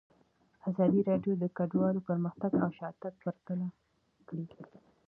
ازادي راډیو د کډوال پرمختګ او شاتګ پرتله کړی.